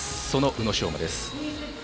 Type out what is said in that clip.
その宇野昌磨です。